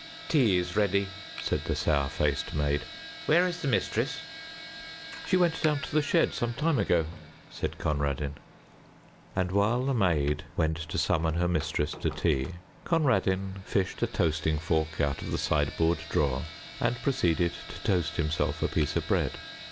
"Tea is ready," said the sour faced maid; "where is the mistress?" "She went down to the shed some time ago," said Conradin. And while the maid went to summon her mistress to tea, Conradin fished a toasting fork out of the sideboard drawer and proceeded to toast himself a piece of bread.